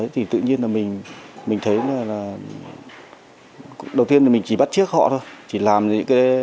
thì tự nhiên mình thấy là đầu tiên mình chỉ bắt chiếc họ thôi